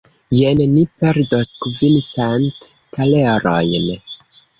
Jen ni perdos kvincent talerojn.